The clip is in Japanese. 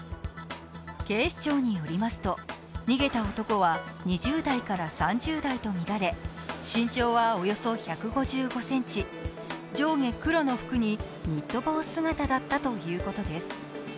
警視庁によりますと、逃げた男は２０代から３０代とみられ、身長はおよそ１５５ｃｍ、上下黒の服にニット帽姿だったということです。